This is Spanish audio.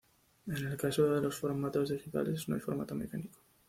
En el caso de los formatos digitales, no hay formato mecánico.